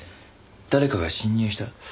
誰かが侵入した？